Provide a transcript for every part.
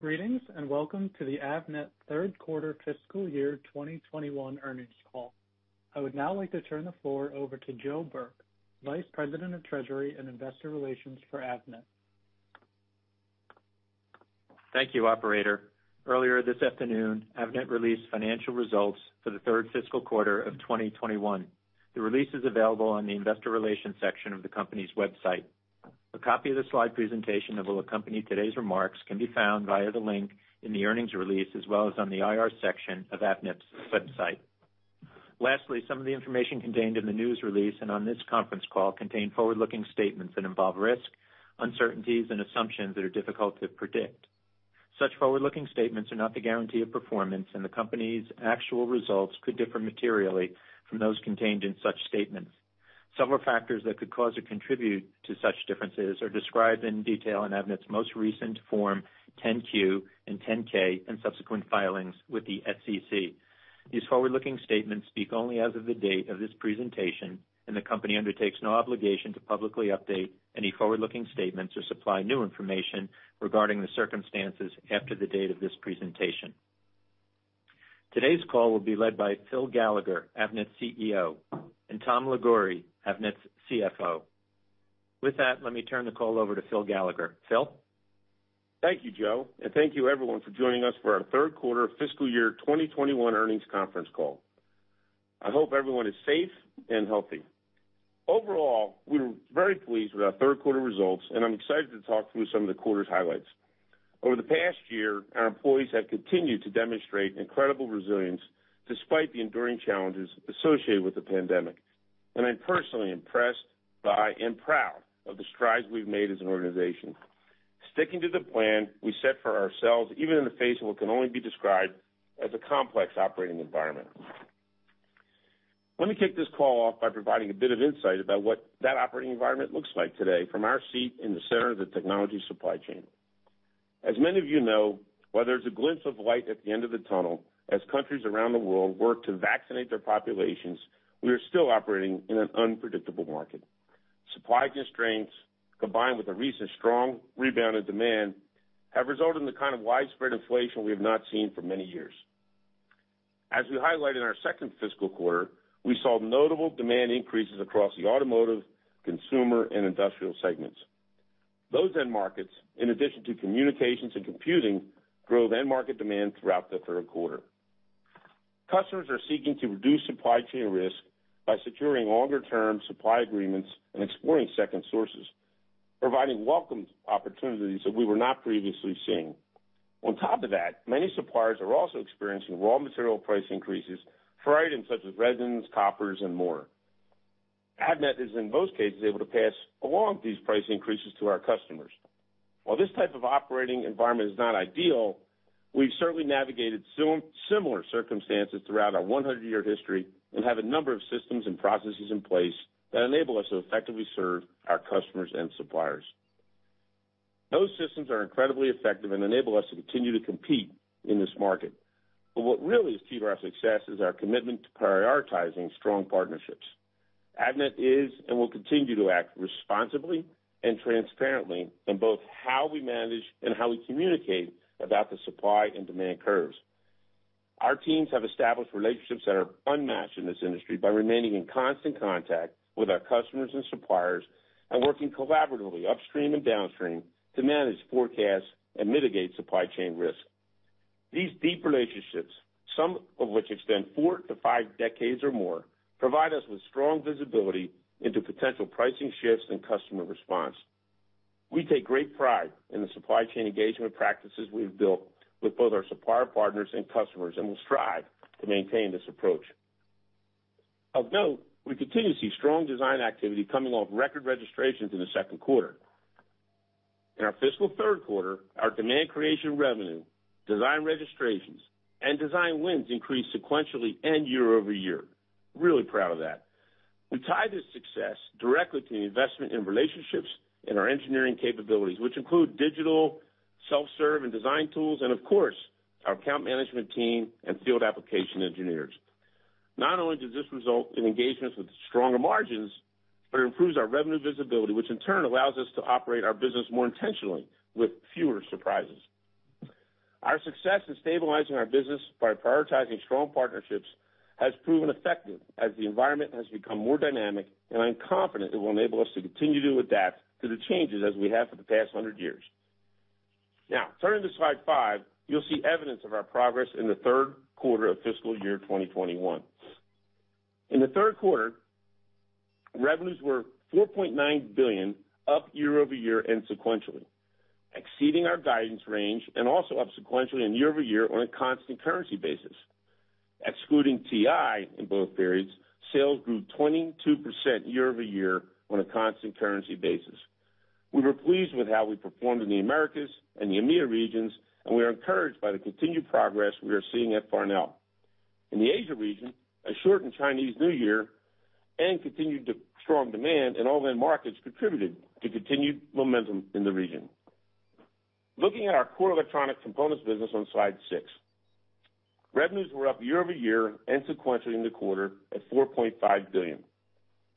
Greetings, welcome to the Avnet third quarter fiscal year 2021 earnings call. I would now like to turn the floor over to Joe Burke, Vice President of Treasury and Investor Relations for Avnet. Thank you, operator. Earlier this afternoon, Avnet released financial results for the third fiscal quarter of 2021. The release is available on the investor relations section of the company's website. A copy of the slide presentation that will accompany today's remarks can be found via the link in the earnings release, as well as on the IR section of Avnet's website. Lastly, some of the information contained in the news release and on this conference call contain forward-looking statements that involve risk, uncertainties, and assumptions that are difficult to predict. Such forward-looking statements are not the guarantee of performance, and the company's actual results could differ materially from those contained in such statements. Several factors that could cause or contribute to such differences are described in detail in Avnet's most recent Form 10-Q and 10-K, and subsequent filings with the SEC. These forward-looking statements speak only as of the date of this presentation, and the company undertakes no obligation to publicly update any forward-looking statements or supply new information regarding the circumstances after the date of this presentation. Today's call will be led by Phil Gallagher, Avnet's CEO, and Tom Liguori, Avnet's CFO. With that, let me turn the call over to Phil Gallagher. Phil? Thank you, Joe. Thank you everyone for joining us for our third quarter fiscal year 2021 earnings conference call. I hope everyone is safe and healthy. Overall, we're very pleased with our third quarter results, and I'm excited to talk through some of the quarter's highlights. Over the past year, our employees have continued to demonstrate incredible resilience despite the enduring challenges associated with the pandemic, and I'm personally impressed by and proud of the strides we've made as an organization, sticking to the plan we set for ourselves, even in the face of what can only be described as a complex operating environment. Let me kick this call off by providing a bit of insight about what that operating environment looks like today from our seat in the center of the technology supply chain. As many of you know, while there's a glimpse of light at the end of the tunnel as countries around the world work to vaccinate their populations, we are still operating in an unpredictable market. Supply constraints, combined with a recent strong rebound in demand, have resulted in the kind of widespread inflation we have not seen for many years. As we highlighted in our second fiscal quarter, we saw notable demand increases across the automotive, consumer, and industrial segments. Those end markets, in addition to communications and computing, drove end-market demand throughout the third quarter. Customers are seeking to reduce supply chain risk by securing longer-term supply agreements and exploring second sources, providing welcomed opportunities that we were not previously seeing. On top of that, many suppliers are also experiencing raw material price increases for items such as resins, coppers, and more. Avnet is, in most cases, able to pass along these price increases to our customers. While this type of operating environment is not ideal, we've certainly navigated similar circumstances throughout our 100-year history and have a number of systems and processes in place that enable us to effectively serve our customers and suppliers. Those systems are incredibly effective and enable us to continue to compete in this market. What really is key to our success is our commitment to prioritizing strong partnerships. Avnet is and will continue to act responsibly and transparently in both how we manage and how we communicate about the supply and demand curves. Our teams have established relationships that are unmatched in this industry by remaining in constant contact with our customers and suppliers and working collaboratively upstream and downstream to manage forecasts and mitigate supply chain risk. These deep relationships, some of which extend four to five decades or more, provide us with strong visibility into potential pricing shifts and customer response. We take great pride in the supply chain engagement practices we've built with both our supplier partners and customers and will strive to maintain this approach. Of note, we continue to see strong design activity coming off record registrations in the second quarter. In our fiscal third quarter, our demand creation revenue, design registrations, and design wins increased sequentially and year-over-year. Really proud of that. We tie this success directly to the investment in relationships and our engineering capabilities, which include digital, self-serve and design tools, and of course, our account management team and field application engineers. Not only does this result in engagements with stronger margins, but it improves our revenue visibility, which in turn allows us to operate our business more intentionally with fewer surprises. Our success in stabilizing our business by prioritizing strong partnerships has proven effective as the environment has become more dynamic, and I'm confident it will enable us to continue to adapt to the changes as we have for the past 100 years. Now, turning to slide five, you'll see evidence of our progress in the third quarter of fiscal year 2021. In the third quarter, revenues were $4.9 billion, up year-over-year and sequentially, exceeding our guidance range, and also up sequentially and year-over-year on a constant currency basis. Excluding TI in both periods, sales grew 22% year-over-year on a constant currency basis. We were pleased with how we performed in the Americas and the EMEA regions, and we are encouraged by the continued progress we are seeing at Farnell. In the Asia region, a shortened Chinese New Year and continued strong demand in all end markets contributed to continued momentum in the region. Looking at our core electronic components business on slide six. Revenues were up year-over-year and sequentially in the quarter at $4.5 billion.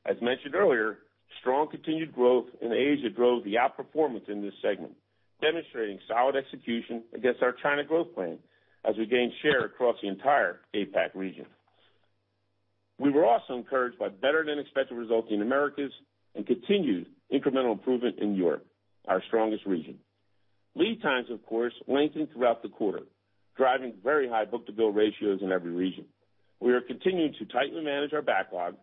As mentioned earlier, strong continued growth in Asia drove the outperformance in this segment, demonstrating solid execution against our China growth plan as we gain share across the entire APAC region. We were also encouraged by better than expected results in Americas and continued incremental improvement in Europe, our strongest region. lead times, of course, lengthened throughout the quarter, driving very high book-to-bill ratios in every region. We are continuing to tightly manage our backlog,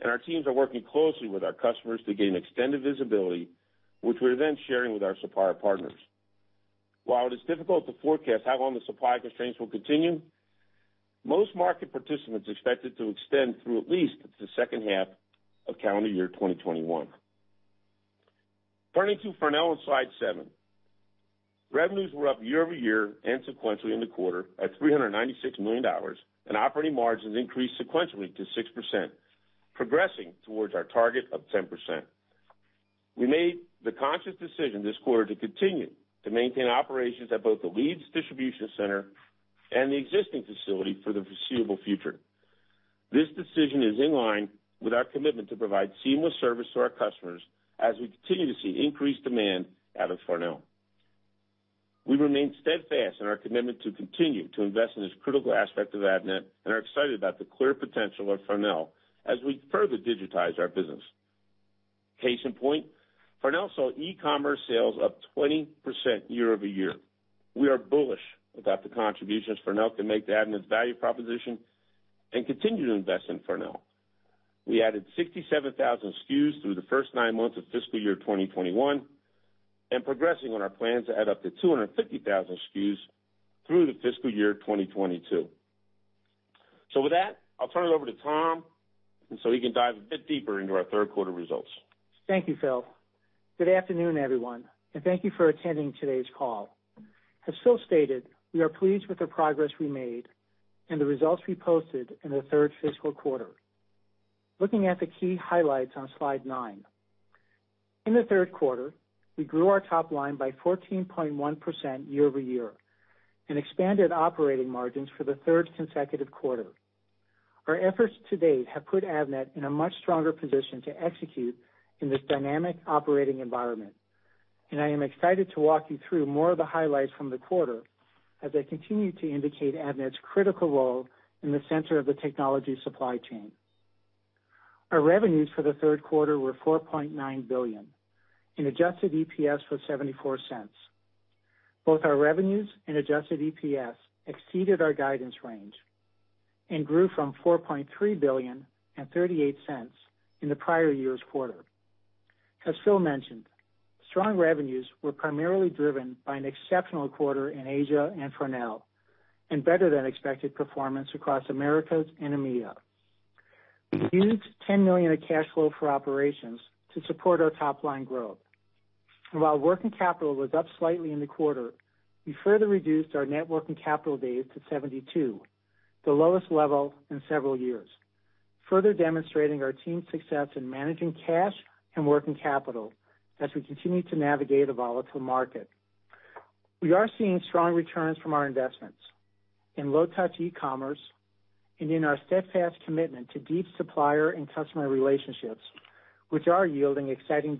and our teams are working closely with our customers to gain extended visibility, which we're then sharing with our supplier partners. While it is difficult to forecast how long the supply constraints will continue, most market participants expect it to extend through at least the second half of calendar year 2021. Turning to Farnell on slide seven. Revenues were up year-over-year and sequentially in the quarter at $396 million, and operating margins increased sequentially to 6%, progressing towards our target of 10%. We made the conscious decision this quarter to continue to maintain operations at both the Leeds distribution center and the existing facility for the foreseeable future. This decision is in line with our commitment to provide seamless service to our customers as we continue to see increased demand out of Farnell. We remain steadfast in our commitment to continue to invest in this critical aspect of Avnet and are excited about the clear potential of Farnell as we further digitize our business. Case in point, Farnell saw e-commerce sales up 20% year-over-year. We are bullish about the contributions Farnell can make to Avnet's value proposition and continue to invest in Farnell. We added 67,000 SKUs through the first nine months of fiscal year 2021, and progressing on our plans to add up to 250,000 SKUs through the fiscal year 2022. With that, I'll turn it over to Tom, and so he can dive a bit deeper into our third quarter results. Thank you, Phil. Good afternoon, everyone, and thank you for attending today's call. As Phil stated, we are pleased with the progress we made and the results we posted in the third fiscal quarter. Looking at the key highlights on slide nine. In the third quarter, we grew our top line by 14.1% year-over-year and expanded operating margins for the third consecutive quarter. Our efforts to date have put Avnet in a much stronger position to execute in this dynamic operating environment, and I am excited to walk you through more of the highlights from the quarter as I continue to indicate Avnet's critical role in the center of the technology supply chain. Our revenues for the third quarter were $4.9 billion, and adjusted EPS was $0.74. Both our revenues and adjusted EPS exceeded our guidance range and grew from $4.3 billion and $0.38 in the prior year's quarter. As Phil mentioned, strong revenues were primarily driven by an exceptional quarter in Asia and Farnell, and better than expected performance across Americas and EMEA. We used $10 million of cash flow for operations to support our top-line growth. While working capital was up slightly in the quarter, we further reduced our net working capital days to 72, the lowest level in several years, further demonstrating our team's success in managing cash and working capital as we continue to navigate a volatile market. We are seeing strong returns from our investments in low-touch e-commerce and in our steadfast commitment to deep supplier and customer relationships, which are yielding exciting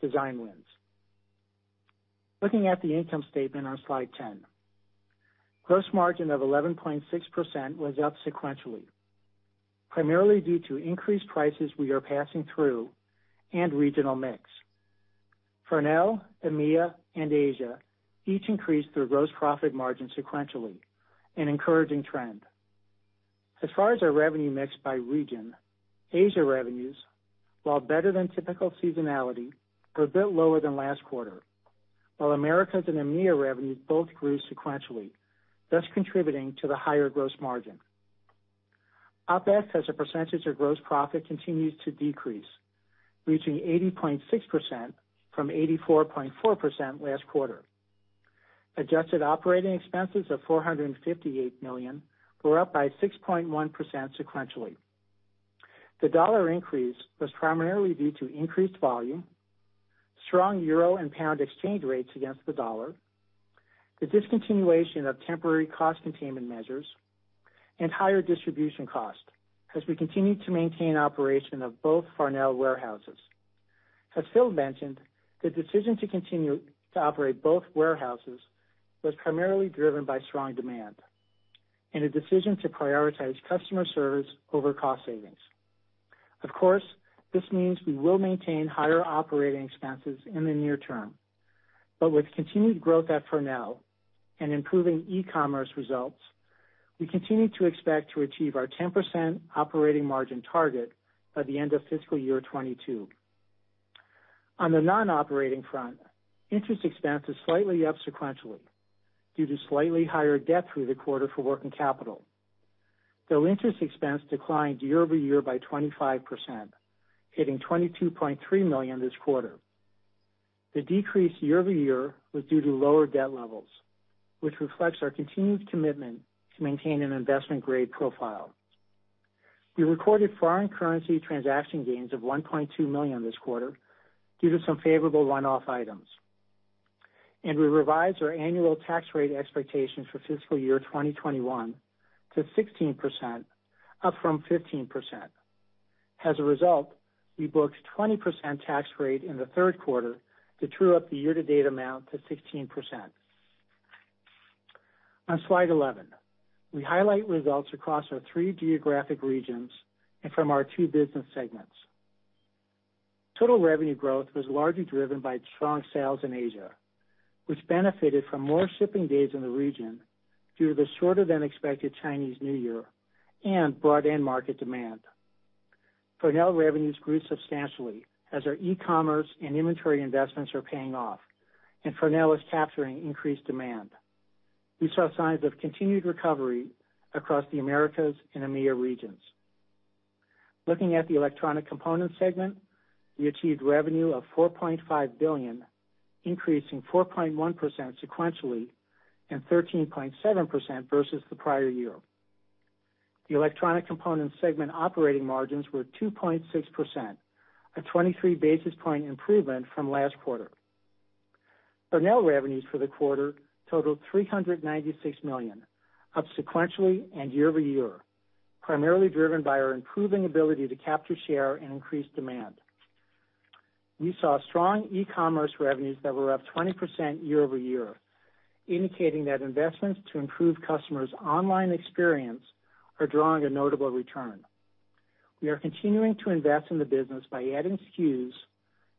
design wins. Looking at the income statement on slide 10. Gross margin of 11.6% was up sequentially, primarily due to increased prices we are passing through and regional mix. Farnell, EMEA, and Asia each increased their gross profit margin sequentially, an encouraging trend. As far as our revenue mix by region, Asia revenues, while better than typical seasonality, were a bit lower than last quarter. While Americas and EMEA revenues both grew sequentially, thus contributing to the higher gross margin. OpEx as a percentage of gross profit continues to decrease, reaching 80.6% from 84.4% last quarter. Adjusted operating expenses of $458 million were up by 6.1% sequentially. The dollar increase was primarily due to increased volume, strong euro and pound exchange rates against the dollar, the discontinuation of temporary cost containment measures, and higher distribution cost as we continue to maintain operation of both Farnell warehouses. As Phil mentioned, the decision to continue to operate both warehouses was primarily driven by strong demand and a decision to prioritize customer service over cost savings. Of course, this means we will maintain higher operating expenses in the near term. With continued growth at Farnell and improving e-commerce results, we continue to expect to achieve our 10% operating margin target by the end of fiscal year 2022. On the non-operating front, interest expense is slightly up sequentially due to slightly higher debt through the quarter for working capital, though interest expense declined year-over-year by 25%, hitting $22.3 million this quarter. The decrease year-over-year was due to lower debt levels, which reflects our continued commitment to maintain an investment-grade profile. We recorded foreign currency transaction gains of $1.2 million this quarter due to some favorable one-off items. We revised our annual tax rate expectations for fiscal year 2021 to 16%, up from 15%. As a result, we booked a 20% tax rate in the third quarter to true up the year-to-date amount to 16%. On slide 11, we highlight results across our three geographic regions and from our two business segments. Total revenue growth was largely driven by strong sales in Asia, which benefited from more shipping days in the region due to the shorter-than-expected Chinese New Year, and broad end market demand. Farnell revenues grew substantially as our e-commerce and inventory investments are paying off, and Farnell is capturing increased demand. We saw signs of continued recovery across the Americas and EMEA regions. Looking at the electronic components segment, we achieved revenue of $4.5 billion, increasing 4.1% sequentially and 13.7% versus the prior year. The electronic components segment operating margins were 2.6%, a 23 basis point improvement from last quarter. Farnell revenues for the quarter totaled $396 million, up sequentially and year-over-year, primarily driven by our improving ability to capture share and increase demand. We saw strong e-commerce revenues that were up 20% year-over-year, indicating that investments to improve customers online experience are drawing a notable return. We are continuing to invest in the business by adding SKUs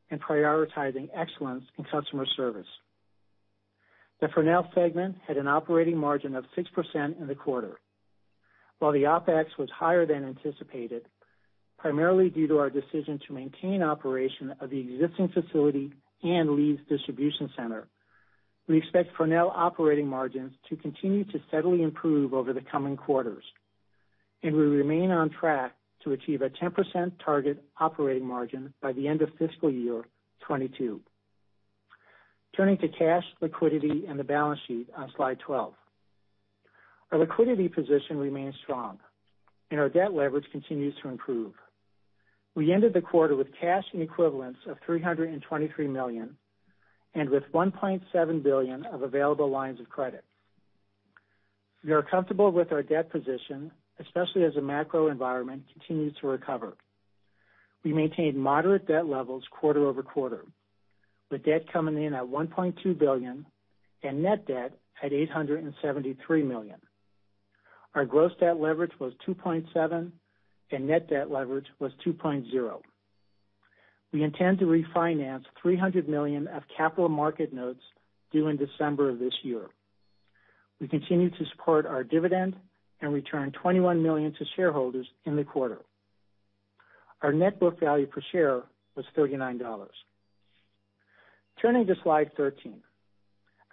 and prioritizing excellence in customer service. The Farnell segment had an operating margin of 6% in the quarter. While the OpEx was higher than anticipated, primarily due to our decision to maintain operation of the existing facility and Leeds distribution center, we expect Farnell operating margins to continue to steadily improve over the coming quarters. We remain on track to achieve a 10% target operating margin by the end of fiscal year 2022. Turning to cash liquidity and the balance sheet on slide 12. Our liquidity position remains strong, and our debt leverage continues to improve. We ended the quarter with cash and equivalents of $323 million and with $1.7 billion of available lines of credit. We are comfortable with our debt position, especially as the macro environment continues to recover. We maintained moderate debt levels quarter-over-quarter, with debt coming in at $1.2 billion and net debt at $873 million. Our gross debt leverage was 2.7, and net debt leverage was 2.0. We intend to refinance $300 million of capital market notes due in December of this year. We continue to support our dividend and return $21 million to shareholders in the quarter. Our net book value per share was $39. Turning to slide 13,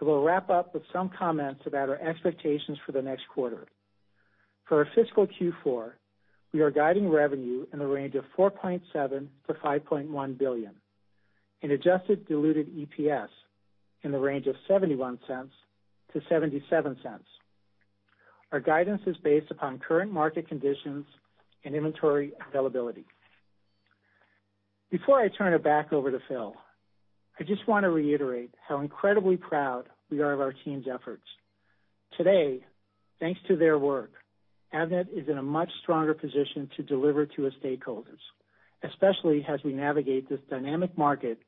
I will wrap up with some comments about our expectations for the next quarter. For our fiscal Q4, we are guiding revenue in the range of $4.7 billion-$5.1 billion, an adjusted diluted EPS in the range of $0.71-$0.77. Our guidance is based upon current market conditions and inventory availability. Before I turn it back over to Phil, I just want to reiterate how incredibly proud we are of our team's efforts. Today, thanks to their work, Avnet is in a much stronger position to deliver to its stakeholders, especially as we navigate this dynamic market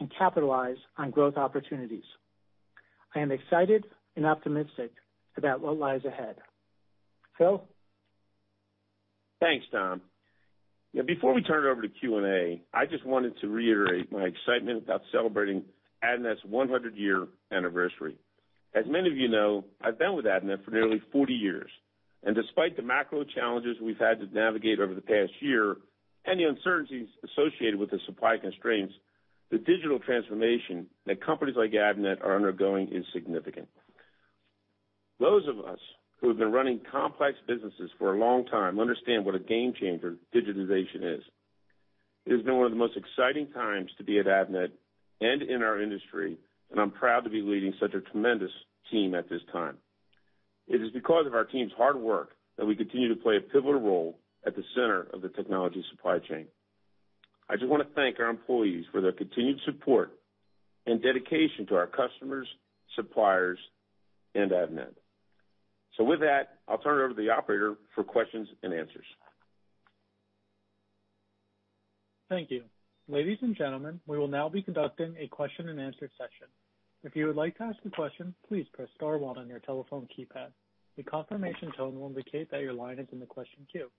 and capitalize on growth opportunities. I am excited and optimistic about what lies ahead. Phil? Thanks, Tom. Before we turn it over to Q&A, I just wanted to reiterate my excitement about celebrating Avnet's 100-year anniversary. As many of you know, I've been with Avnet for nearly 40 years, and despite the macro challenges we've had to navigate over the past year and the uncertainties associated with the supply constraints, the digital transformation that companies like Avnet are undergoing is significant. Those of us who have been running complex businesses for a long time understand what a game changer digitization is. It has been one of the most exciting times to be at Avnet and in our industry, and I'm proud to be leading such a tremendous team at this time. It is because of our team's hard work that we continue to play a pivotal role at the center of the technology supply chain. I just want to thank our employees for their continued support and dedication to our customers, suppliers, and Avnet. With that, I'll turn it over to the operator for questions and answers. Thank you. Ladies and gentlemen, we will now be conducting a question-and-answer session. If you would like to ask a question, please press star, one on your telephone keypad. The confirmation tone will indicate that your line is in the question queue.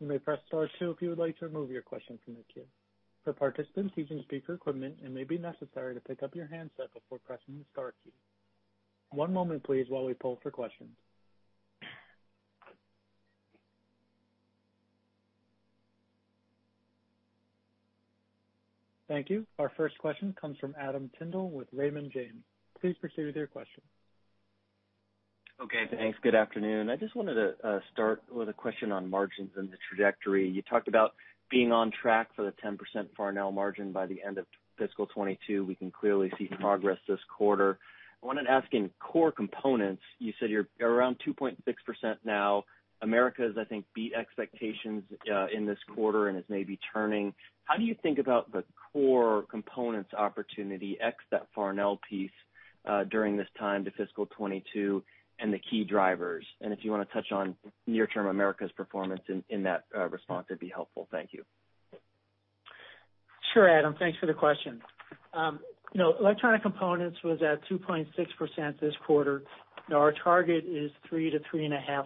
You may press star, two if you would like to remove your question from the queue. For participants using speaker equipment, it may be necessary to pick up your handset for pressing star key. One moment please while we poll for question. Thank you. Our first question comes from Adam Tindle with Raymond James. Please proceed with your question. Thanks. Good afternoon. I just wanted to start with a question on margins and the trajectory. You talked about being on track for the 10% Farnell margin by the end of fiscal 2022. We can clearly see progress this quarter. I wanted to ask in core components, you said you're around 2.6% now. America has, I think, beat expectations in this quarter and is maybe turning. How do you think about the core components opportunity ex that Farnell piece? During this time to fiscal 2022 and the key drivers. If you want to touch on near term Americas performance in that response, that'd be helpful. Thank you. Sure, Adam. Thanks for the question. Electronic components was at 2.6% this quarter. Our target is 3%-3.5%,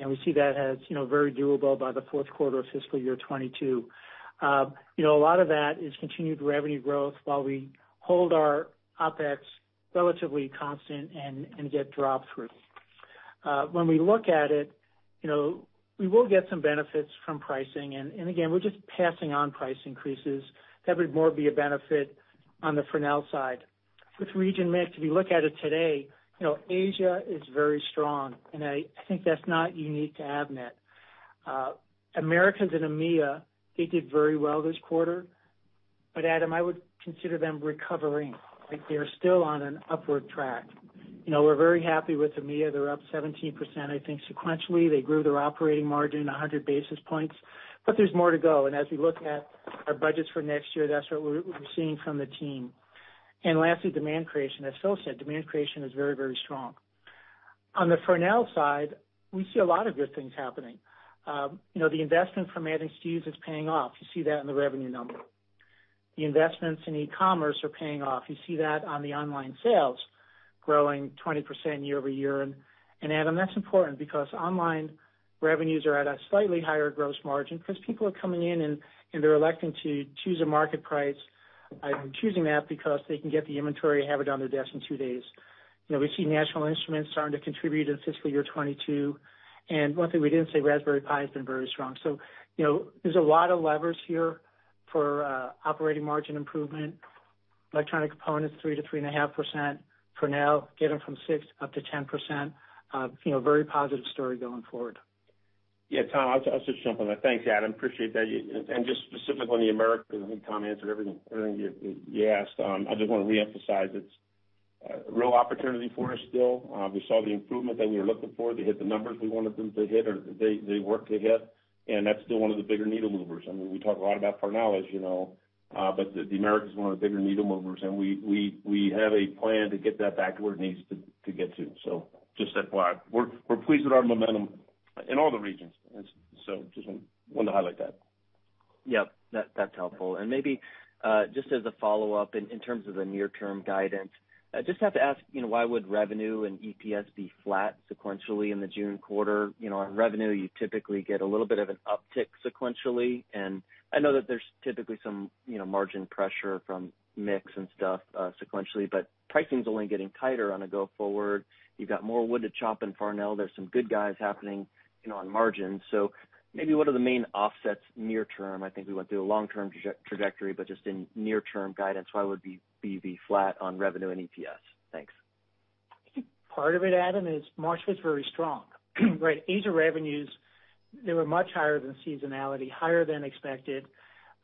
and we see that as very doable by the fourth quarter of fiscal year 2022. A lot of that is continued revenue growth while we hold our OpEx relatively constant and get drop-through. When we look at it, we will get some benefits from pricing. Again, we're just passing on price increases. That would more be a benefit on the Farnell side. Which region mix, if you look at it today, Asia is very strong, and I think that's not unique to Avnet. Americas and EMEA, they did very well this quarter. Adam, I would consider them recovering. They're still on an upward track. We're very happy with EMEA. They're up 17%, I think, sequentially. They grew their operating margin 100 basis points, there's more to go. As we look at our budgets for next year, that's what we're seeing from the team. Lastly, demand creation. As Phil said, demand creation is very, very strong. On the Farnell side, we see a lot of good things happening. The investment from adding SKUs is paying off. You see that in the revenue number. The investments in e-commerce are paying off. You see that on the online sales growing 20% year-over-year. Adam, that's important because online revenues are at a slightly higher gross margin because people are coming in, and they're electing to choose a market price and choosing that because they can get the inventory, have it on their desk in two days. We see National Instruments starting to contribute in fiscal year 2022. One thing we didn't say, Raspberry Pi has been very strong. There's a lot of levers here for operating margin improvement. electronic components, 3%-3.5%. Farnell getting from 6% up to 10%. Very positive story going forward. Yeah, Tom, I'll just jump on that. Thanks, Adam. Appreciate that. Just specifically on the Americas, I think Tom answered everything you asked. I just want to reemphasize it's a real opportunity for us still. We saw the improvement that we were looking for. They hit the numbers we wanted them to hit, or they worked to hit, and that's still one of the bigger needle movers. I mean, we talk a lot about Farnell, as you know, but the Americas is one of the bigger needle movers, and we have a plan to get that back to where it needs to get to. Just that we're pleased with our momentum in all the regions. Just wanted to highlight that. Yep, that's helpful. Maybe just as a follow-up in terms of the near-term guidance, I just have to ask, why would revenue and EPS be flat sequentially in the June quarter? On revenue, you typically get a little bit of an uptick sequentially. I know that there's typically some margin pressure from mix and stuff sequentially, but pricing's only getting tighter on a go forward. You've got more wood to chop in Farnell. There's some good guys happening on margin. Maybe what are the main offsets near term? I think we went through a long-term trajectory, but just in near-term guidance, why would we be flat on revenue and EPS? Thanks. I think part of it, Adam, is March was very strong, right? Asia revenues, they were much higher than seasonality, higher than expected,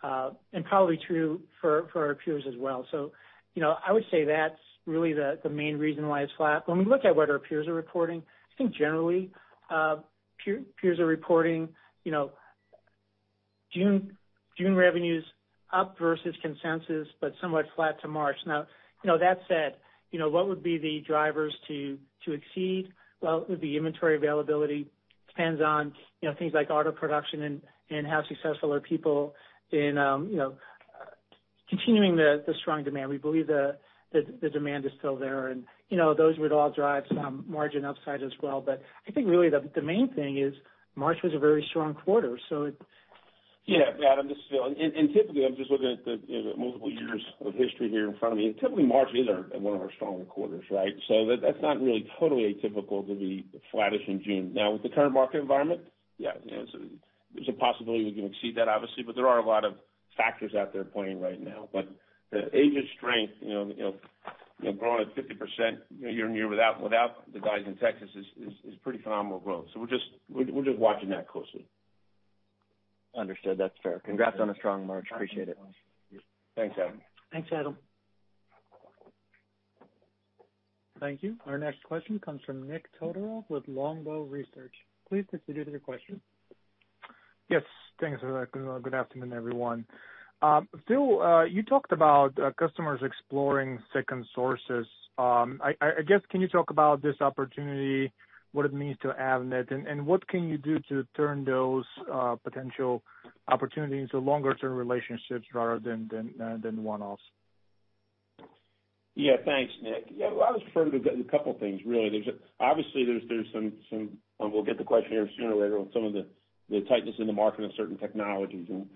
and probably true for our peers as well. I would say that's really the main reason why it's flat. When we look at what our peers are reporting, I think generally, peers are reporting June revenues up versus consensus, but somewhat flat to March. That said, what would be the drivers to exceed? Well, it would be inventory availability. Depends on things like auto production and how successful are people in continuing the strong demand. We believe the demand is still there, and those would all drive some margin upside as well. I think really the main thing is March was a very strong quarter. Yeah, Adam, this is Phil. Typically, I'm just looking at the multiple years of history here in front of me, and typically, March is one of our stronger quarters, right. That's not really totally atypical to be flattish in June. Now, with the current market environment, yeah, there's a possibility we can exceed that, obviously, but there are a lot of factors out there playing right now. The Asia strength, growing at 50% year-over-year without the guys in Texas is pretty phenomenal growth. We're just watching that closely. Understood. That's fair. Congrats on a strong March. Appreciate it. Thanks, Adam. Thanks, Adam. Thank you. Our next question comes from Nick Todorov with Longbow Research. Please proceed with your question. Yes. Thanks. Good afternoon, everyone. Phil, you talked about customers exploring second sources. I guess, can you talk about this opportunity, what it means to Avnet, and what can you do to turn those potential opportunities into longer-term relationships rather than one-offs? Yeah. Thanks, Nick. Yeah, I was referring to a couple things, really. Obviously, we'll get the question here sooner or later on some of the tightness in the market on certain technologies, and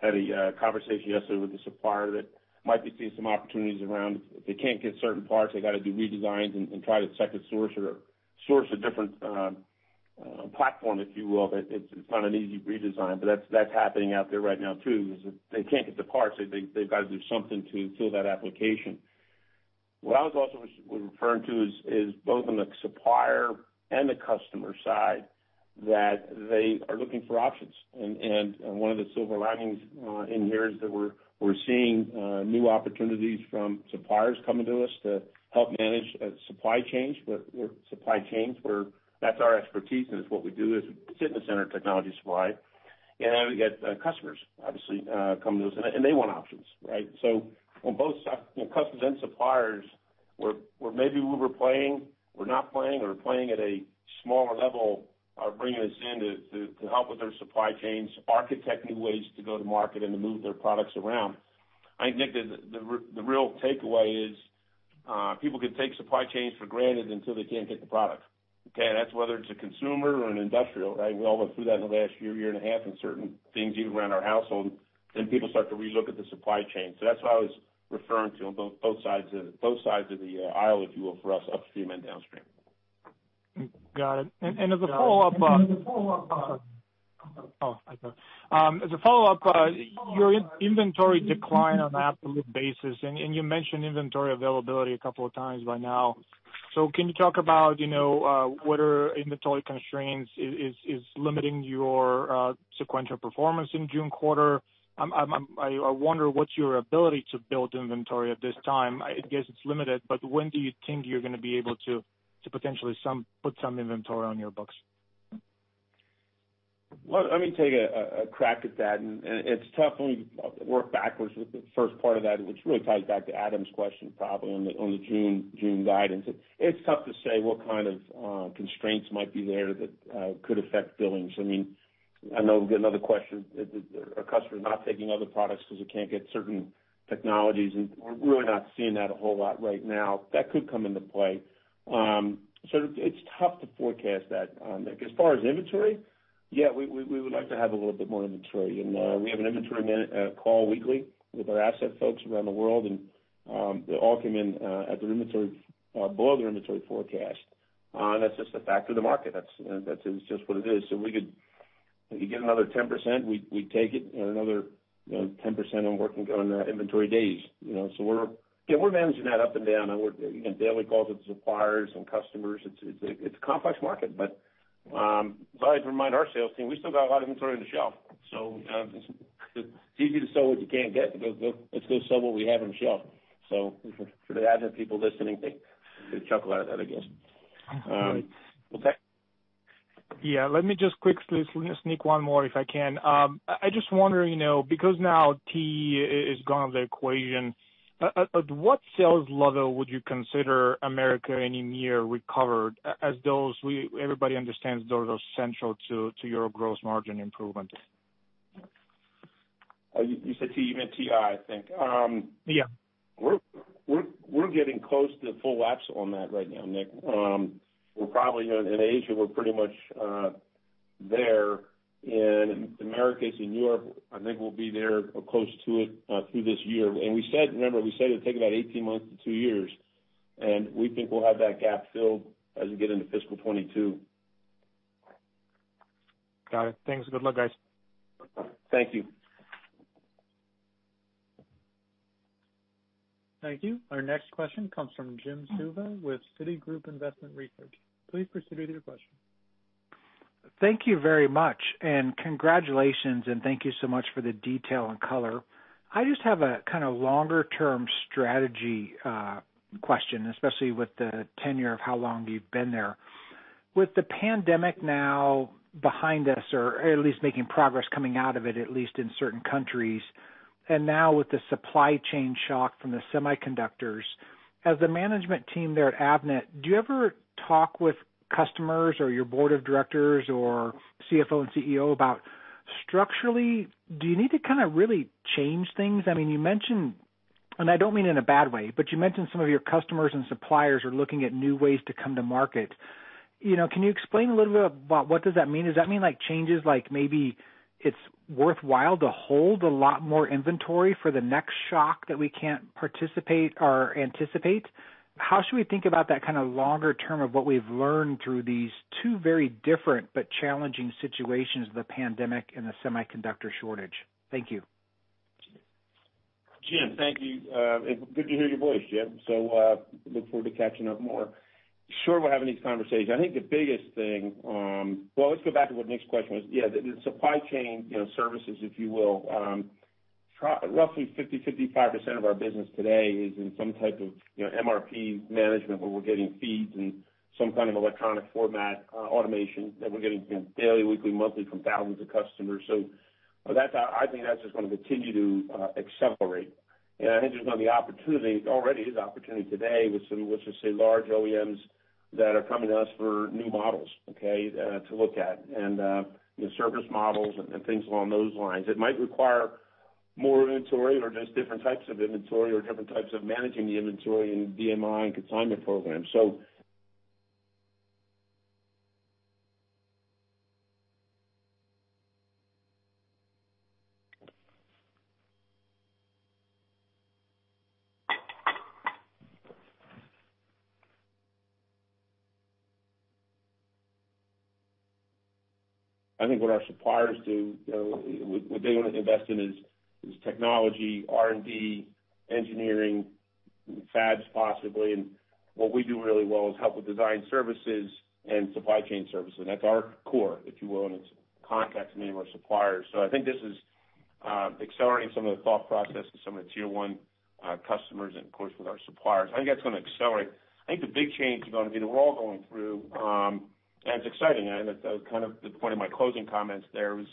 had a conversation yesterday with a supplier that might be seeing some opportunities around if they can't get certain parts, they got to do redesigns and try to second source or source a different platform, if you will. It's not an easy redesign, but that's happening out there right now, too. Is if they can't get the parts, they've got to do something to fill that application. What I was also referring to is both on the supplier and the customer side, that they are looking for options. One of the silver linings in here is that we're seeing new opportunities from suppliers coming to us to help manage supply chains, where that's our expertise, and it's what we do is sit in the center of technology supply. We got customers, obviously, coming to us, and they want options, right. On both sides, customers and suppliers, where maybe we were playing, we're not playing or we're playing at a smaller level, are bringing us in to help with their supply chains, architect new ways to go to market and to move their products around. I think, Nick, that the real takeaway is people can take supply chains for granted until they can't get the product. Okay. That's whether it's a consumer or an industrial, right. We all went through that in the last year and a half in certain things, even around our household, people start to relook at the supply chain. That's what I was referring to on both sides of the aisle, if you will, for us upstream and downstream. Got it. As a follow-up. As a follow-up, your inventory declined on an absolute basis, and you mentioned inventory availability a couple of times by now. Can you talk about whether inventory constraints is limiting your sequential performance in June quarter? I wonder what's your ability to build inventory at this time. I guess it's limited, when do you think you're gonna be able to potentially put some inventory on your books? Well, let me take a crack at that. It's tough. Let me work backwards with the first part of that, which really ties back to Adam question, probably, on the June guidance. It's tough to say what kind of constraints might be there that could affect billings. I know we'll get another question. Are customers not taking other products because we can't get certain technologies? We're really not seeing that a whole lot right now. That could come into play. It's tough to forecast that. Nikolay, as far as inventory, yeah, we would like to have a little bit more inventory. We have an inventory call weekly with our asset folks around the world, and they all come in above their inventory forecast. That's just a factor of the market. That's just what it is. We could get another 10%, we'd take it, and another 10% on working on the inventory days. We're managing that up and down, and we're in daily calls with suppliers and customers. It's a complex market. As I remind our sales team, we still got a lot of inventory on the shelf, so it's easy to sell what you can't get. Let's go sell what we have on the shelf. For the Avnet people listening, they chuckle at that, I guess. Right. Okay. Let me just quickly sneak one more if I can. I just wonder, because now TE is gone of the equation, at what sales level would you consider America and EMEA recovered as those everybody understands those are central to your gross margin improvement? You said TE, you meant TI, I think. Yeah. We're getting close to full lapse on that right now, Nick. In Asia, we're pretty much there. In the Americas, in Europe, I think we'll be there or close to it through this year. Remember, we said it'd take about 18 months to two years, and we think we'll have that gap filled as we get into fiscal 2022. Got it. Thanks, good luck, guys. Thank you. Thank you. Our next question comes from Jim Suva with Citigroup Investment Research. Please proceed with your question. Thank you very much, and congratulations, and thank you so much for the detail and color. I just have a kind of longer-term strategy question, especially with the tenure of how long you've been there. With the pandemic now behind us, or at least making progress coming out of it, at least in certain countries, and now with the supply chain shock from the semiconductors, as the management team there at Avnet, do you ever talk with customers or your board of directors or CFO and CEO about structurally, do you need to kind of really change things? You mentioned, and I don't mean in a bad way, but you mentioned some of your customers and suppliers are looking at new ways to come to market. Can you explain a little bit about what does that mean? Does that mean changes like maybe it's worthwhile to hold a lot more inventory for the next shock that we can't participate or anticipate? How should we think about that kind of longer term of what we've learned through these two very different but challenging situations, the pandemic and the semiconductor shortage? Thank you. Jim, thank you. Good to hear your voice, Jim. Look forward to catching up more. Sure, we're having these conversations. Let's go back to what Nick's question was. The supply chain services, if you will. Roughly 50%, 55% of our business today is in some type of MRP management where we're getting feeds and some kind of electronic format automation that we're getting daily, weekly, monthly from thousands of customers. I think that's just gonna continue to accelerate. I think there's gonna be opportunities, already is opportunity today with some large OEMs that are coming to us for new models to look at, and service models and things along those lines. It might require more inventory or just different types of inventory or different types of managing the inventory in VMI and consignment programs. I think what our suppliers do, what they want to invest in is technology, R&D, engineering, fabs possibly. What we do really well is help with design services and supply chain services. That's our core, if you will, and it's contracts with many of our suppliers. I think this is accelerating some of the thought processes, some of the tier-1 customers and of course, with our suppliers. I think that's going to accelerate. I think the big change is going to be that we're all going through, and it's exciting. That was kind of the point of my closing comments there was,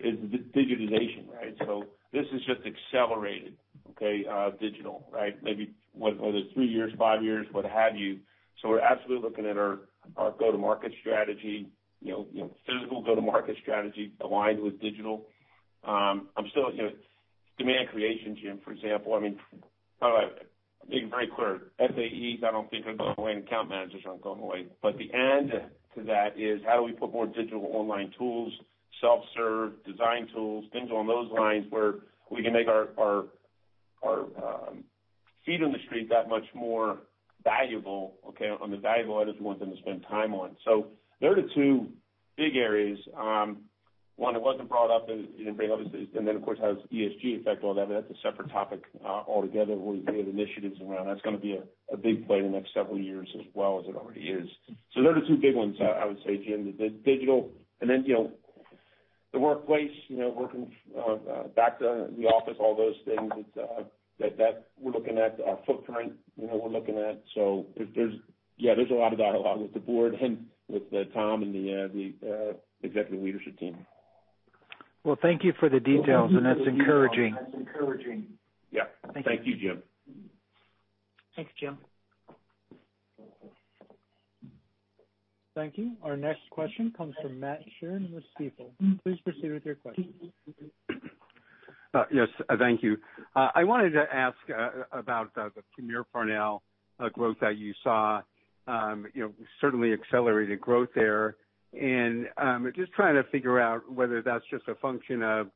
is the digitalization. This is just accelerated digital. Maybe, whether it's three years, five years, what have you. We're absolutely looking at our go-to-market strategy, physical go-to-market strategy aligned with digital. Demand creation, Jim, for example. Being very clear, FAEs, I don't think are going away and account managers aren't going away. The end to that is how do we put more digital online tools, self-serve design tools, things along those lines, where we can make our feet on the street that much more valuable on the value adders we want them to spend time on. They're the two big areas. One that wasn't brought up, you didn't bring up obviously, and then of course, how does ESG affect all that's a separate topic altogether where we have initiatives around. That's going to be a big play in the next several years as well as it already is. They're the two big ones I would say, Jim. The digital and then, the workplace, working back to the office, all those things that we're looking at, our footprint we're looking at. There's a lot of dialogue with the board and with Tom and the executive leadership team. Well, thank you for the details and that's encouraging. Yeah. Thank you, Jim. Thanks, Jim. Thank you. Our next question comes from Matt Sheerin with Stifel. Please proceed with your question. Yes. Thank you. I wanted to ask about the Premier Farnell growth that you saw. Certainly accelerated growth there. Just trying to figure out whether that's just a function of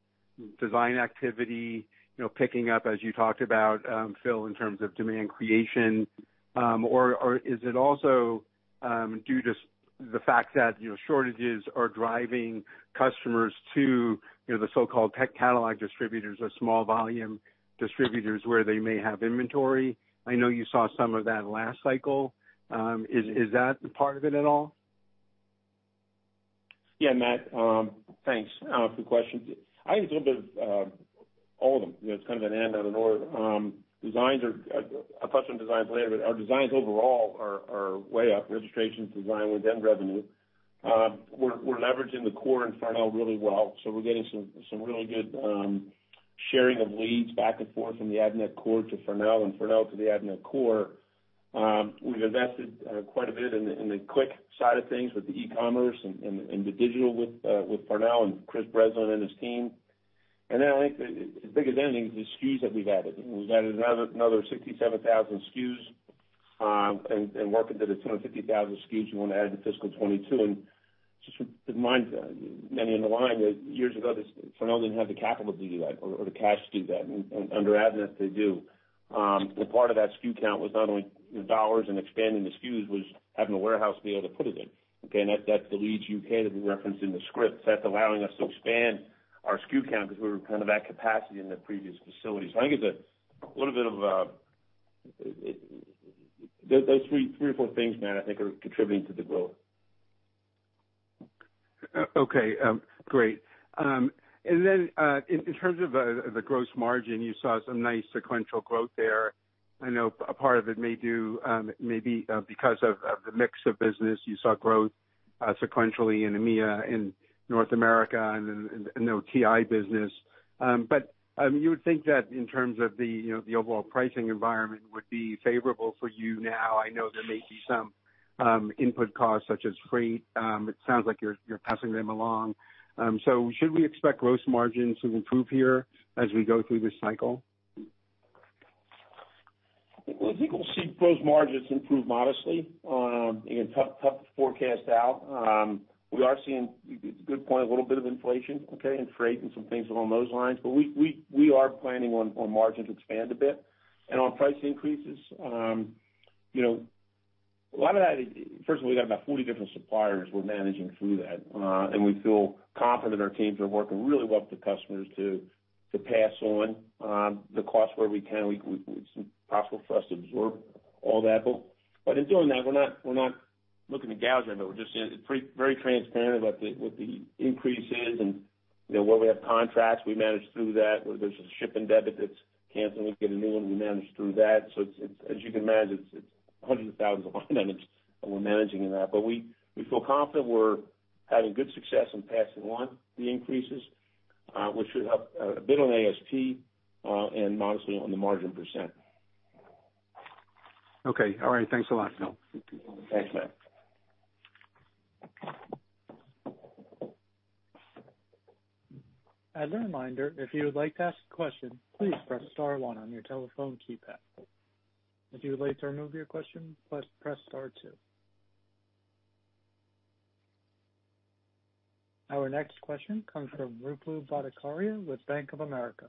design activity picking up as you talked about, Phil, in terms of demand creation. Is it also due to the fact that shortages are driving customers to the so-called tech catalog distributors or small volume distributors where they may have inventory? I know you saw some of that last cycle. Is that part of it at all? Yeah, Matt. Thanks for the question. I think it's a little bit of all of them. It's kind of an and/or. I'll touch on designs later, but our designs overall are way up. Registrations, design wins, and revenue. We're leveraging the core and Farnell really well. We're getting some really good sharing of leads back and forth from the Avnet core to Farnell and Farnell to the Avnet core. We've invested quite a bit in the quick side of things with the e-commerce and the digital with Farnell and Chris Breslin and his team. I think as big as anything is the SKUs that we've added. We've added another 67,000 SKUs, and working to the 250,000 SKUs we want to add to fiscal 2022. Just keep in mind, many in the line that years ago, Farnell didn't have the capital to do that or the cash to do that. Under Avnet, they do. Part of that SKU count was not only dollars and expanding the SKUs, was having a warehouse be able to put it in. That's the Leeds, U.K. that we referenced in the script. That's allowing us to expand our SKU count because we were kind of at capacity in the previous facility. I think it's those three or four things, Matt, I think are contributing to the growth. Okay. Great. In terms of the gross margin, you saw some nice sequential growth there. I know a part of it may be because of the mix of business. You saw growth sequentially in EMEA, in North America and the TI business. You would think that in terms of the overall pricing environment would be favorable for you now. I know there may be some input costs such as freight. It sounds like you're passing them along. Should we expect gross margins to improve here as we go through this cycle? I think we'll see gross margins improve modestly. Tough to forecast out. We are seeing, good point, a little bit of inflation and freight and some things along those lines, but we are planning on margin to expand a bit. On price increases, first of all, we got about 40 different suppliers we're managing through that. We feel confident our teams are working really well with the customers to pass on the cost where we can. It's impossible for us to absorb all that. In doing that, we're not looking to gouge anyone. We're just very transparent about what the increase is and where we have contracts, we manage through that. Where there's a shipping debit that's cancelled and we get a new one, we manage through that. As you can imagine, it's hundreds of thousands of line items that we're managing in that. We feel confident we're having good success in passing on the increases, which should help a bit on ASP, and modestly on the margin percent. Okay. All right. Thanks a lot, Phil. Thanks, Matt. As a reminder, if you would like to ask a question, please press star, one on your telephone keypad. If you would like to remove your question, please press star, two. Our next question comes from Ruplu Bhattacharya with Bank of America.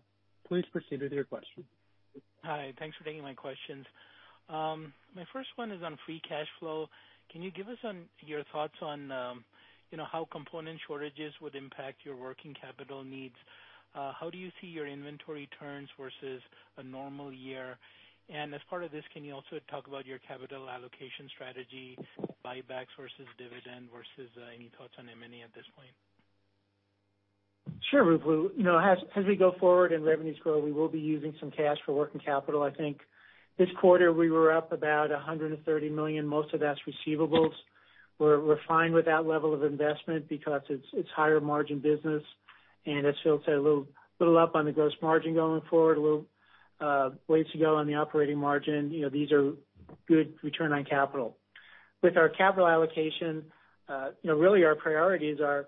Please proceed with your question. Hi. Thanks for taking my questions. My first one is on free cash flow. Can you give us your thoughts on how component shortages would impact your working capital needs? How do you see your inventory turns versus a normal year? As part of this, can you also talk about your capital allocation strategy, buybacks versus dividend versus any thoughts on M&A at this point? Sure, Ruplu. As we go forward and revenues grow, we will be using some cash for working capital. I think this quarter we were up about $130 million. Most of that's receivables. We're fine with that level of investment because it's higher margin business, and as Phil said, a little up on the gross margin going forward, a little ways to go on the operating margin. These are good return on capital. With our capital allocation, really our priorities are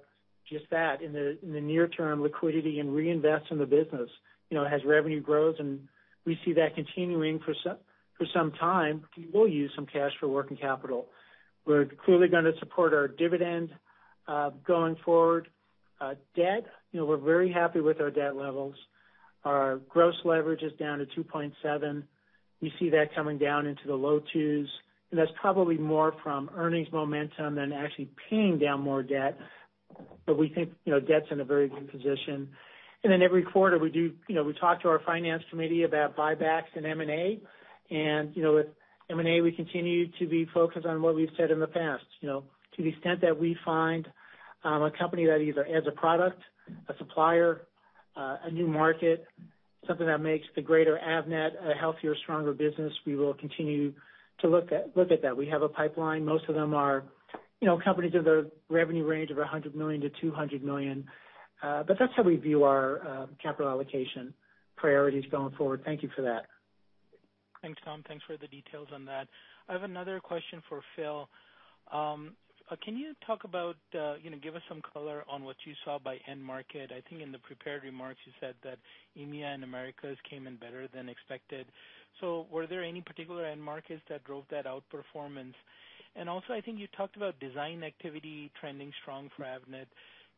just that. In the near term, liquidity and reinvest in the business. As revenue grows, and we see that continuing for some time, we'll use some cash for working capital. We're clearly going to support our dividend, going forward. Debt, we're very happy with our debt levels. Our gross leverage is down to 2.7. We see that coming down into the low twos. That's probably more from earnings momentum than actually paying down more debt. We think debt's in a very good position. Every quarter we talk to our finance committee about buybacks and M&A. With M&A, we continue to be focused on what we've said in the past. To the extent that we find a company that either adds a product, a supplier, a new market, something that makes the greater Avnet a healthier, stronger business, we will continue to look at that. We have a pipeline. Most of them are companies in the revenue range of $100 million-$200 million. That's how we view our capital allocation priorities going forward. Thank you for that. Thanks, Tom. Thanks for the details on that. I have another question for Phil. Can you talk about, give us some color on what you saw by end market. I think in the prepared remarks, you said that EMEA and Americas came in better than expected. Were there any particular end markets that drove that outperformance? Also, I think you talked about design activity trending strong for Avnet.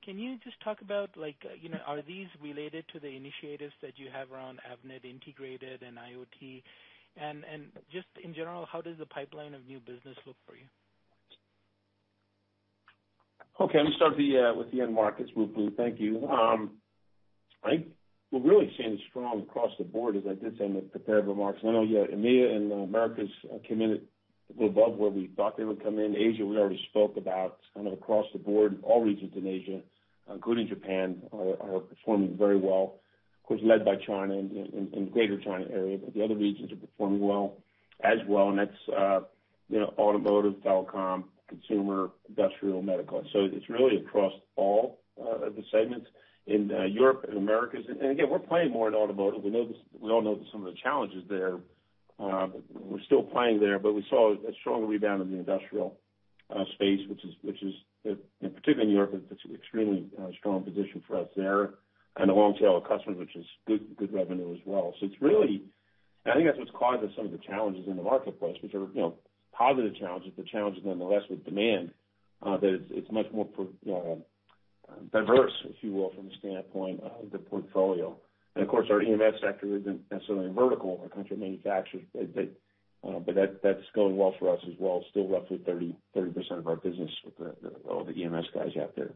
Can you just talk about, are these related to the initiatives that you have around Avnet Integrated and IoT? Just in general, how does the pipeline of new business look for you? Okay. Let me start with the end markets, Ruplu. Thank you. I think we're really seeing strong across the board, as I did say in the prepared remarks. I know EMEA and Americas came in above where we thought they would come in. Asia, we already spoke about kind of across the board, all regions in Asia, including Japan, are performing very well. Of course, led by China and greater China area. The other regions are performing well as well, and that's automotive, telecom, consumer, industrial, medical. It's really across all of the segments in Europe and Americas. Again, we're playing more in automotive. We all know some of the challenges there. We're still playing there, but we saw a strong rebound in the industrial space, which is, particularly in Europe, it's an extremely strong position for us there, and a long tail of customers, which is good revenue as well. I think that's what's causing some of the challenges in the marketplace, which are positive challenges, but challenges nonetheless with demand, that it's much more diverse, if you will, from the standpoint of the portfolio. Of course, our EMS sector isn't necessarily vertical or country manufacturer, but that's going well for us as well. Still roughly 30% of our business with all the EMS guys out there.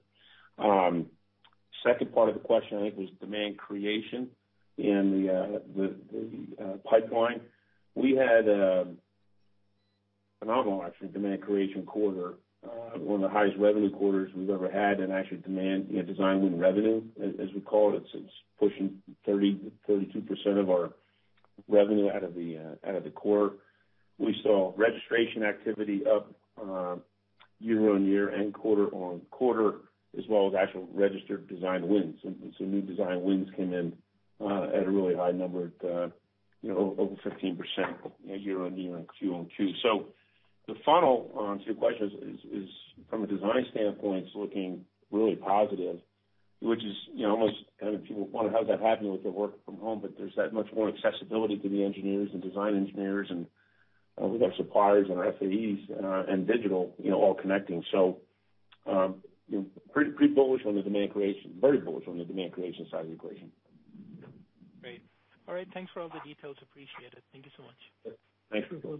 Second part of the question, I think, was demand creation in the pipeline. We had a phenomenal, actually, demand creation quarter. One of the highest revenue quarters we've ever had in actual demand design win revenue, as we call it. It's pushing 32% of our revenue out of the core. We saw registration activity up year-on-year and quarter-on-quarter, as well as actual registered design wins. Some new design wins came in at a really high number at over 15% year-on-year and quarter-on-quarter. The funnel on two questions is from a design standpoint, it's looking really positive, which is almost kind of people wonder how does that happen with the work from home, but there's that much more accessibility to the engineers and design engineers, and we've got suppliers and our FAEs and digital all connecting. Pretty bullish on the demand creation. Very bullish on the demand creation side of the equation. Great. All right. Thanks for all the details. Appreciate it. Thank you so much. Thanks, Ruplu.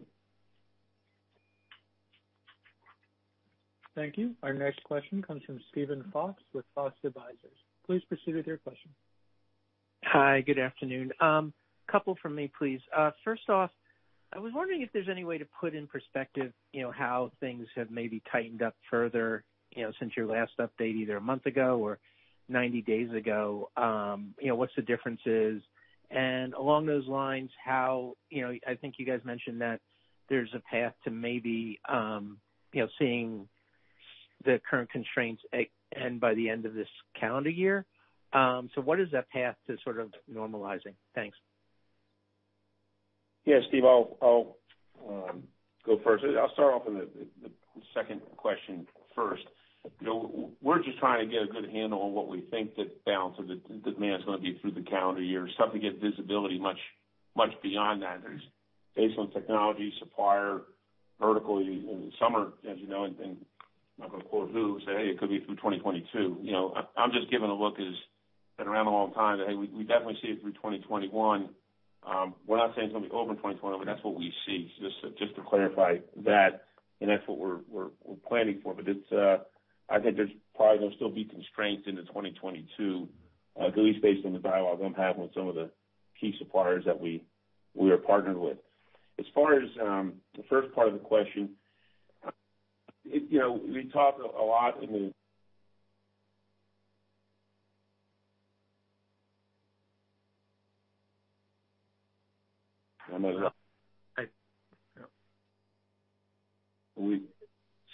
Thank you. Our next question comes from Steven Fox with Fox Advisors. Please proceed with your question. Hi, good afternoon. Couple from me, please. First off, I was wondering if there's any way to put in perspective how things have maybe tightened up further since your last update, either a month ago or 90 days ago. What's the differences? Along those lines, I think you guys mentioned that there's a path to maybe seeing the current constraints end by the end of this calendar year. What is that path to sort of normalizing? Thanks. Yeah, Steve, I'll go first. I'll start off on the second question first. We're just trying to get a good handle on what we think the balance of the demand is going to be through the calendar year. It's tough to get visibility much beyond that. Based on technology, supplier, vertical. In the summer, as you know, and I'm not going to quote who, say, "Hey, it could be through 2022." I'm just giving a look as been around a long time that, hey, we definitely see it through 2021. We're not saying it's going to be over in 2021, that's what we see. Just to clarify that's what we're planning for. I think there's probably going to still be constraints into 2022, at least based on the dialogue I'm having with some of the key suppliers that we are partnered with. As far as the first part of the question. Am I on? Yep.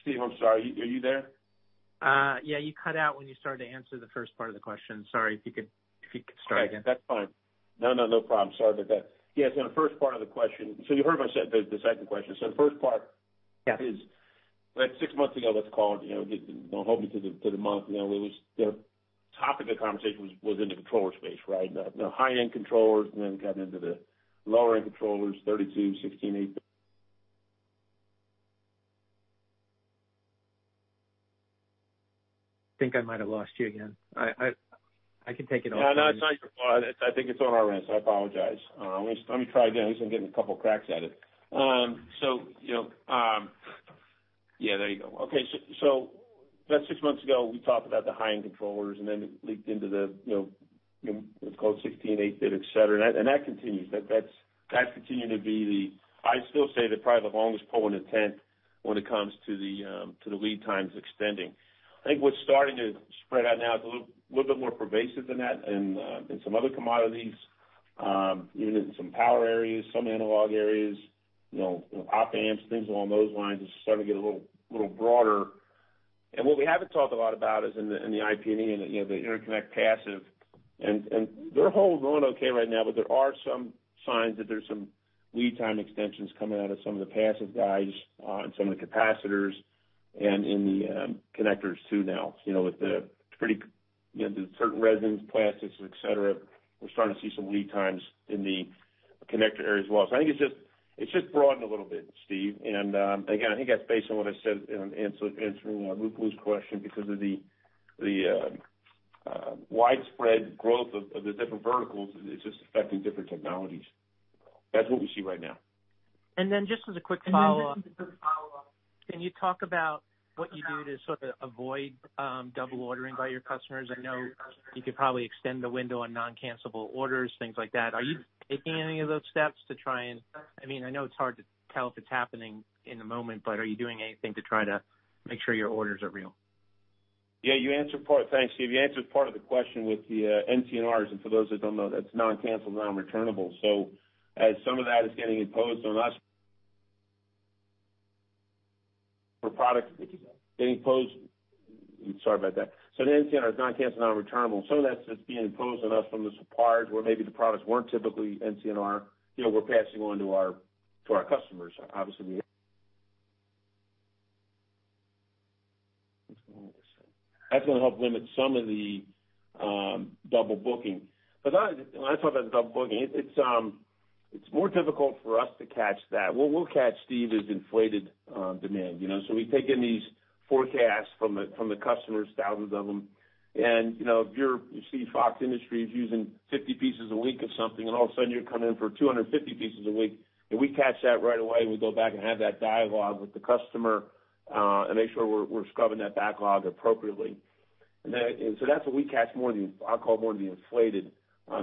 Steve, I'm sorry. Are you there? Yeah, you cut out when you started to answer the first part of the question. Sorry, if you could start again. That's fine. No problem. Sorry about that. Yeah, the first part of the question. You heard what I said, the second question. Yeah is about six months ago, let's call it, don't hold me to the month. The topic of conversation was in the controller space, right. The high-end controllers, and then got into the lower-end controllers, 32, 16, 8. I think I might have lost you again. I can take it off. No, it's not your fault. I think it's on our end, so I apologize. Let me try again. At least I'm getting a couple cracks at it. There you go. About six months ago, we talked about the high-end controllers, and then it leaked into the, let's call it 16, 8-bit, et cetera, and that continues. That's continued to be. I still say they're probably the longest pole in the tent when it comes to the lead times extending. I think what's starting to spread out now is a little bit more pervasive than that in some other commodities. Even in some power areas, some analog areas, op-amps, things along those lines is starting to get a little broader. What we haven't talked a lot about is in the IP&E, in the interconnect passive, and electromechanical is going okay right now, but there are some signs that there's some lead time extensions coming out of some of the passive guys on some of the capacitors and in the connectors, too, now. With the certain resins, plastics, et cetera, we're starting to see some lead times in the connector area as well. I think it's just broadened a little bit, Steve. Again, I think that's based on what I said in answering Ruplu's question, because of the widespread growth of the different verticals, it's just affecting different technologies. That's what we see right now. Just as a quick follow-up, can you talk about what you do to sort of avoid double ordering by your customers? I know you could probably extend the window on non-cancellable orders, things like that. Are you taking any of those steps? I know it's hard to tell if it's happening in the moment, but are you doing anything to try to make sure your orders are real? Yeah, Thanks, Steve. You answered part of the question with the NCNRs, and for those that don't know, that's non-cancel, non-returnable. As some of that is getting imposed on us. Sorry about that. The NCNR is non-cancel, non-returnable. Some of that's just being imposed on us from the suppliers, where maybe the products weren't typically NCNR, we're passing on to our customers. Obviously, that's going to help limit some of the double booking. When I talk about double booking, it's more difficult for us to catch that. What we'll catch, Steve, is inflated demand. We take in these forecasts from the customers, thousands of them, and if you see Foxconn Industrial Internet is using 50 pieces a week of something, and all of a sudden you're coming in for 250 pieces a week, and we catch that right away, and we go back and have that dialogue with the customer and make sure we're scrubbing that backlog appropriately. That's what we catch more of the, I'll call it more of the inflated. I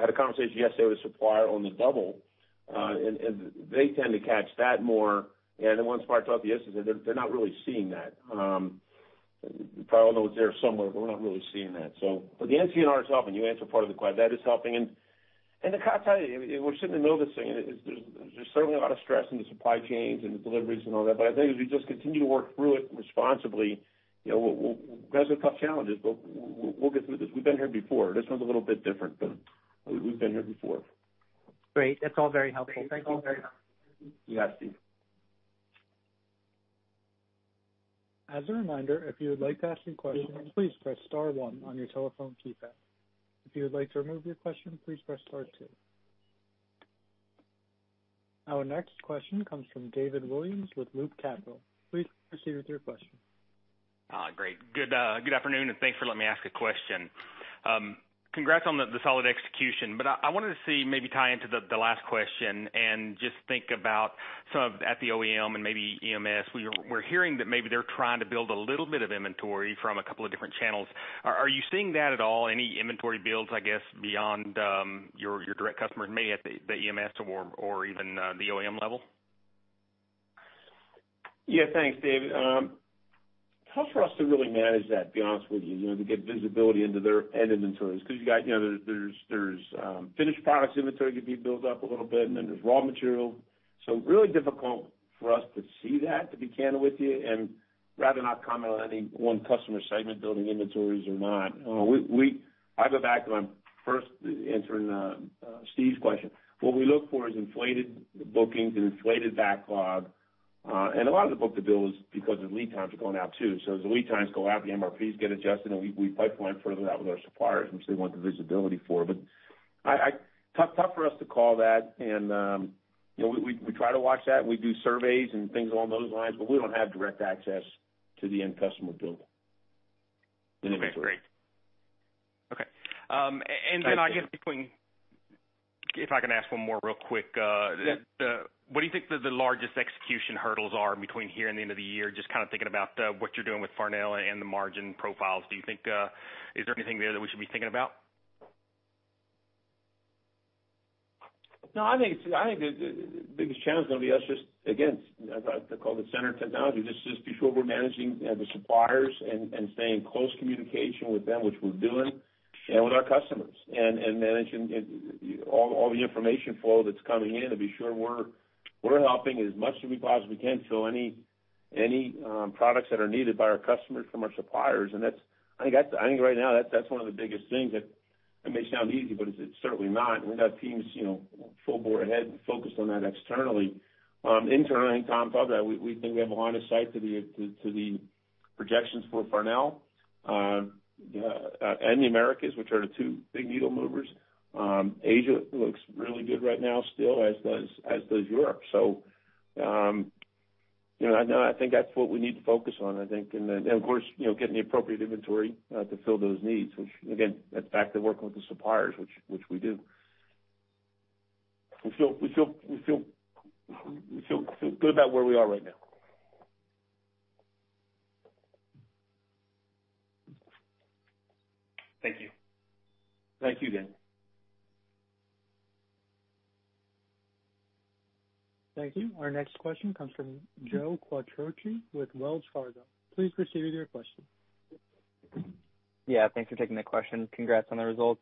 had a conversation yesterday with a supplier on the double, and they tend to catch that more. The one supplier I talked to yesterday said they're not really seeing that. Probably all those there somewhere, but we're not really seeing that. The NCNR is helping. You answered part of the question. That is helping, and to kind of tell you, we're sitting in the middle of this thing, and there's certainly a lot of stress in the supply chains and the deliveries and all that. I think as we just continue to work through it responsibly, those are tough challenges, but we'll get through this. We've been here before. This one's a little bit different, but we've been here before. Great. That's all very helpful. Thank you. You got it, Steve. As a reminder, if you would like to ask a question, please press star, one on your telephone keypad. If you would like to remove your question, please press star, two. Our next question comes from David Williams with Loop Capital. Please proceed with your question. Great. Good afternoon. Thanks for letting me ask a question. Congrats on the solid execution. I wanted to see, maybe tie into the last question and just think about some of at the OEM and maybe EMS. We're hearing that maybe they're trying to build a little bit of inventory from a couple of different channels. Are you seeing that at all? Any inventory builds, I guess, beyond your direct customers may at the EMS or even the OEM level? Thanks, David. It's tough for us to really manage that, to be honest with you, to get visibility into their end inventories. There's finished products inventory could be built up a little bit, and then there's raw material. Really difficult for us to see that, to be candid with you, and rather not comment on any one customer segment building inventories or not. I go back to when I'm first answering Steve's question. What we look for is inflated bookings and inflated backlog. A lot of the book-to-bill is because of lead times are going out, too. As the lead times go out, the MRPs get adjusted, and we pipeline further out with our suppliers, which they want the visibility for. Tough for us to call that, and we try to watch that, and we do surveys and things along those lines, but we don't have direct access to the end customer build and inventory. Okay, great. Okay. Thanks, David. I guess If I can ask one more real quick. Yeah. What do you think the largest execution hurdles are between here and the end of the year? Just kind of thinking about what you're doing with Farnell and the margin profiles. Is there anything there that we should be thinking about? I think the biggest challenge is going to be us just, again, I call it center of technology. Be sure we're managing the suppliers and staying in close communication with them, which we're doing, and with our customers, and managing all the information flow that's coming in to be sure we're helping as much as we possibly can. Any products that are needed by our customers from our suppliers, I think right now, that's one of the biggest things that it may sound easy, but it's certainly not. We've got teams full bore ahead and focused on that externally. Internally, Tom talked about it, we think we have a line of sight to the projections for Farnell and the Americas, which are the two big needle movers. Asia looks really good right now still, as does Europe. I think that's what we need to focus on, I think. Of course, getting the appropriate inventory to fill those needs, which again, that's back to working with the suppliers, which we do. We feel good about where we are right now. Thank you. Thank you, David. Thank you. Our next question comes from Joe Quatrochi with Wells Fargo. Please proceed with your question. Yeah, thanks for taking the question. Congrats on the results.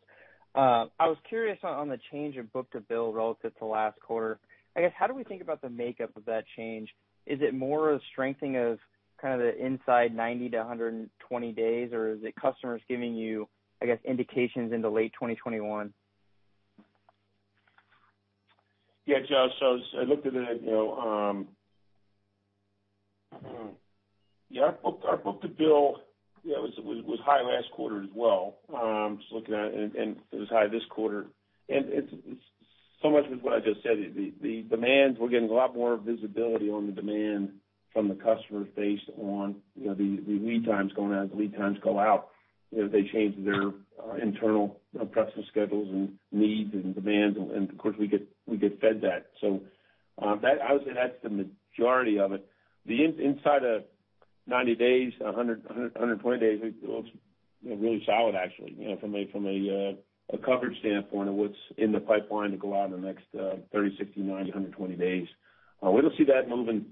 I was curious on the change of book-to-bill relative to last quarter. I guess, how do we think about the makeup of that change? Is it more a strengthening of kind of the inside 90-120 days, or is it customers giving you, I guess, indications into late 2021? Yeah, Joe. I looked at it. Our book-to-bill was high last quarter as well. Just looking at it, and it was high this quarter. Much of what I just said, the demands, we're getting a lot more visibility on the demand from the customers based on the lead times going out. As the lead times go out, they change their internal pressing schedules and needs and demands, and of course, we get fed that. I would say that's the majority of it. The inside of 90 days, 120 days looks really solid actually, from a coverage standpoint of what's in the pipeline to go out in the next 30, 60, 90, 120 days. We don't see that moving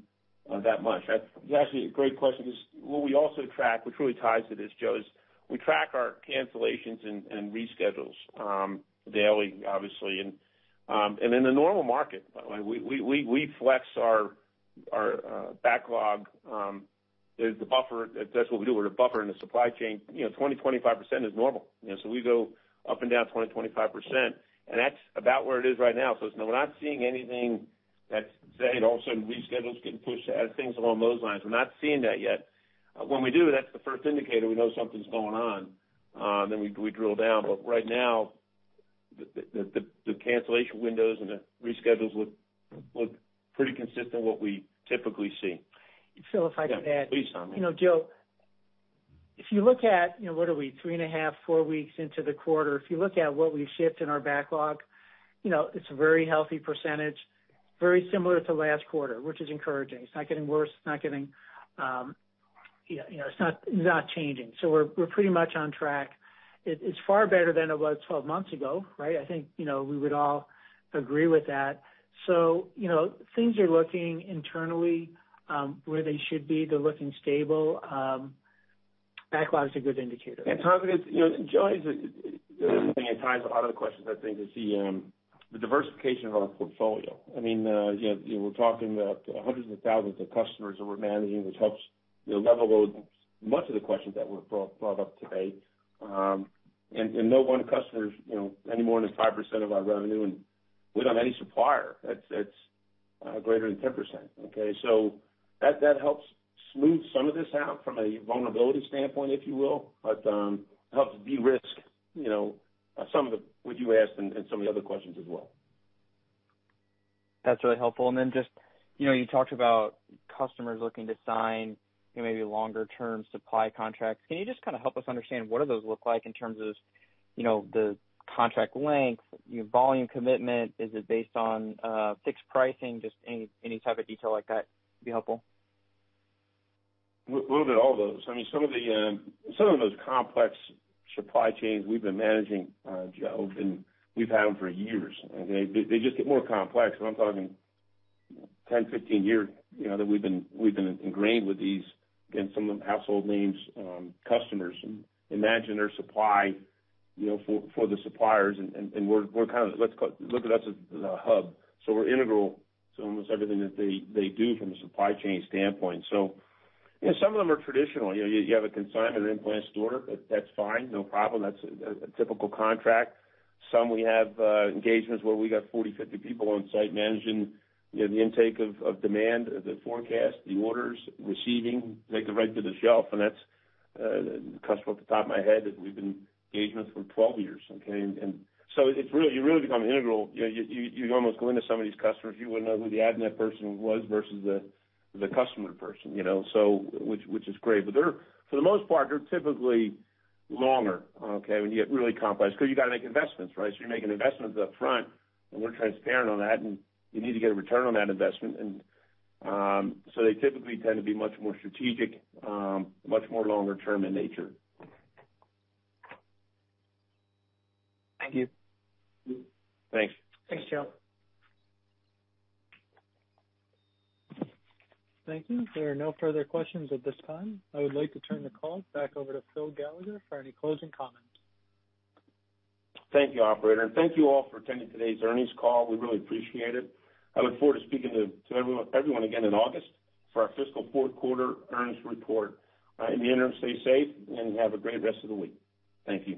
that much. That's actually a great question. What we also track, which really ties to this, Joe, is we track our cancellations and reschedules, daily, obviously. In the normal market, by the way, we flex our backlog. There's a buffer. That's what we do. We're a buffer in the supply chain. 20%-25% is normal. We go up and down 20%-25%, and that's about where it is right now. We're not seeing anything that's saying all of a sudden reschedules getting pushed out of things along those lines. We're not seeing that yet. When we do, that's the first indicator we know something's going on, then we drill down. Right now, the cancellation windows and the reschedules look pretty consistent to what we typically see. Phil, if I could add. Yeah. Please, Tom. Joe, if you look at what are we, three and a half, four weeks into the quarter, if you look at what we've shipped in our backlog, it's a very healthy percentage. Very similar to last quarter, which is encouraging. It's not getting worse. It's not changing. We're pretty much on track. It's far better than it was 12 months ago, right? I think we would all agree with that. Things are looking internally where they should be. They're looking stable. Backlog is a good indicator. Tom, Joe, the other thing it ties a lot of the questions, I think, is the diversification of our portfolio. We're talking about hundreds of thousands of customers that we're managing, which helps level load much of the questions that were brought up to date. No one customer's any more than 5% of our revenue, and we don't have any supplier that's greater than 10%. Okay. That helps smooth some of this out from a vulnerability standpoint, if you will, but helps de-risk some of what you asked and some of the other questions as well. That's really helpful. Then just, you talked about customers looking to sign maybe longer term supply contracts. Can you just kind of help us understand what do those look like in terms of the contract length, volume commitment? Is it based on fixed pricing? Just any type of detail like that would be helpful. A little bit of all those. Some of those complex supply chains we've been managing, Joe, we've had them for years. They just get more complex, I'm talking 10, 15 years that we've been ingrained with these, again, some of the household names, customers. Imagine their supply for the suppliers, we're kind of, look at us as a hub. We're integral to almost everything that they do from a supply chain standpoint. Some of them are traditional. You have a consignment or in-plant store. That's fine, no problem. That's a typical contract. Some we have engagements where we got 40, 50 people on site managing the intake of demand, the forecast, the orders, receiving, take it right to the shelf. That's a customer at the top of my head that we've been engaged with for 12 years. Okay. You really become integral. You almost go into some of these customers, you wouldn't know who the Avnet person was versus the customer person, which is great. For the most part, they're typically longer, okay? When you get really complex, because you got to make investments, right? You're making investments up front, and we're transparent on that, and you need to get a return on that investment. They typically tend to be much more strategic, much more longer term in nature. Thank you. Thanks. Thanks, Joe. Thank you. There are no further questions at this time. I would like to turn the call back over to Phil Gallagher for any closing comments. Thank you, operator, and thank you all for attending today's earnings call. We really appreciate it. I look forward to speaking to everyone again in August for our fiscal fourth quarter earnings report. In the interim, stay safe and have a great rest of the week. Thank you.